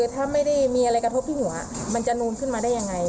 ถ้าไม่ได้มีอะไรกระทบที่หนูมันจะนูนขึ้นมาได้ยังไง